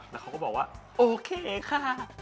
แล้วเขาก็บอกว่าโอเคค่ะ